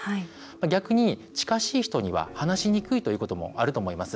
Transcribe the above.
逆に近しい人には話しにくいということもあると思います。